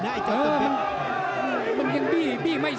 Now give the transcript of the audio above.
ในขวาก็ยกเลยนะ